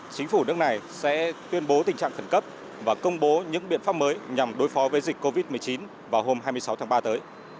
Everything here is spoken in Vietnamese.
chính phủ nước này sẽ tuyên bố tình trạng khẩn cấp và công bố những biện pháp mới nhằm đối phó với dịch covid một mươi chín vào hôm hai mươi sáu tháng ba tới